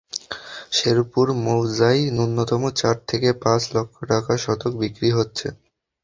শেরপুর মৌজায় ন্যূনতম চার থেকে পাঁচ লাখ টাকা শতক বিক্রি হচ্ছে।